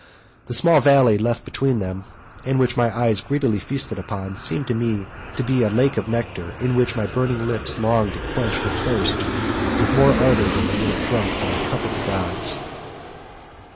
The small valley left between them, and which my eyes greedily feasted upon, seemed to me a lake of nectar, in which my burning lips longed to quench their thirst with more ardour than they would have drunk from the cup of the gods.